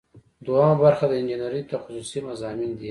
دوهم برخه د انجنیری تخصصي مضامین دي.